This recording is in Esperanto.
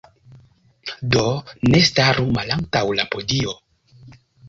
Do, ne staru malantaŭ la podio.